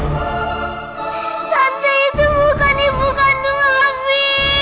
tanda itu bukan ibu kandung abi